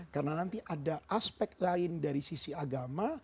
karena nanti ada aspek lain dari sisi agama